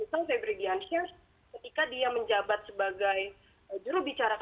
misalnya febri giansyah ketika dia menjabat sebagai juru bicara ppk